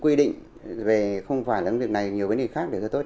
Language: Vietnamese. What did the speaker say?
quy định về không phải là những việc này nhiều vấn đề khác đều rất là tốt